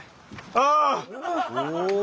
ああ！